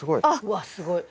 わっすごい。